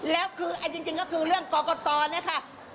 แล้วคือเอาจริงก็คือเรื่องกรกตเนี่ยค่ะ